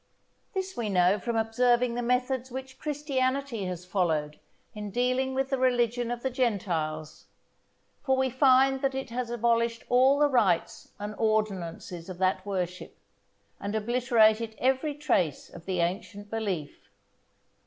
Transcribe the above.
This we know from observing the methods which Christianity has followed in dealing with the religion of the Gentiles, for we find that it has abolished all the rites and ordinances of that worship, and obliterated every trace of the ancient belief.